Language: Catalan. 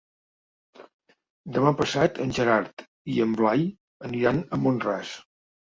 Demà passat en Gerard i en Blai aniran a Mont-ras.